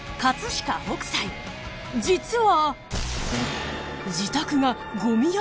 ［実は］